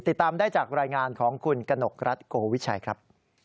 ติดตามได้จากรายงานของคุณกนกรัฐโกวิชัยครับ